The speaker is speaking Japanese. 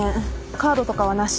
カードとかはなし。